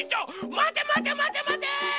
まてまてまてまて！